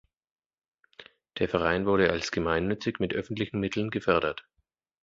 Der Verein wurde als gemeinnützig mit öffentlichen Mitteln gefördert.